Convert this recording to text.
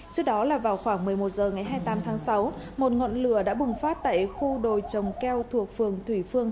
trước đó là vào khoảng một mươi một h ngày hai mươi tám tháng sáu một ngọn lửa đã bùng phát tại khu đồi trồng keo thuộc phường thủy phương